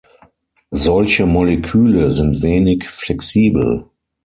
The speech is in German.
Solche Moleküle sind wenig flexibel.